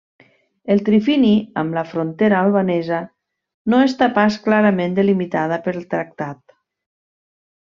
El trifini amb la frontera albanesa no està pas clarament delimitada per tractat.